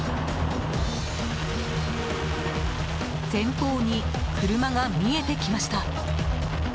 前方に車が見えてきました。